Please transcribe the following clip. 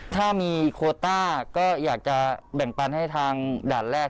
ถ้ามีโคต้าก็อยากจะแบ่งปันให้ทางด่านแรก